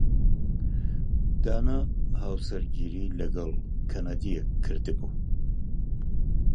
دانا هاوسەرگیریی لەگەڵ کەنەدییەک کردبوو.